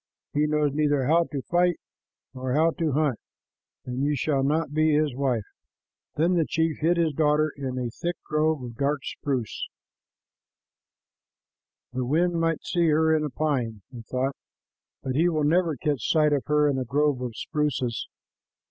He knows neither how to fight nor how to hunt, and you shall not be his wife." Then the chief hid his daughter in a thick grove of dark spruces. "The wind might see her in a pine," he thought, "but he will never catch sight of her in a grove of spruces."